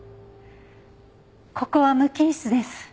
ここは無菌室です。